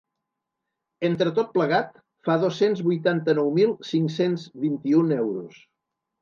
Entre tot plegat, fa dos-cents vuitanta-nou mil cinc-cents vint-i-un euros.